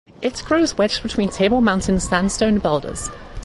It grows wedged between Table Mountain Sandstone boulders.